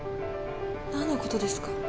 何のことですか？